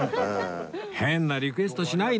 変なリクエストしないの！